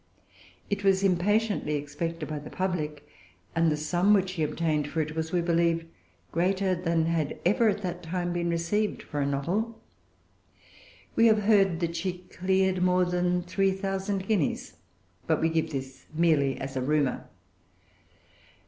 It was impatiently expected by the public; and the sum which she obtained for it was, we believe, greater than had ever at that time been received for a novel. We have heard that she cleared more than three thousand guineas. But we give this merely as a rumor.